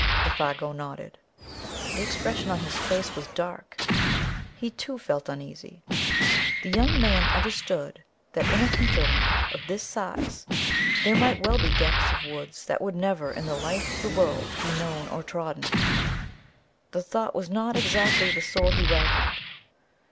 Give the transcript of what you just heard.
Défago nodded. The expression on his face was dark. He, too, felt uneasy. The younger man understood that in a hinterland of this size there might well be depths of wood that would never in the life of the world be known or trodden. The thought was not exactly the sort he welcomed.